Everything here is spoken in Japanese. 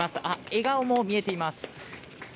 笑顔も見えています。